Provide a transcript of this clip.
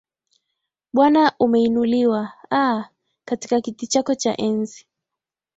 Bwana Umeinuliwa aa, katika kiti chako cha enzi